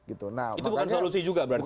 itu bukan solusi juga berarti ya